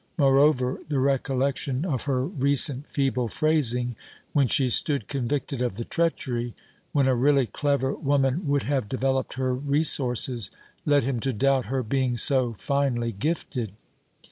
Moreover, the recollection of her recent feeble phrasing, when she stood convicted of the treachery, when a really clever woman would have developed her resources, led him to doubt her being so finely gifted.